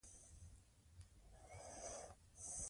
دوی ملالۍ ته ځواب ورکاوه.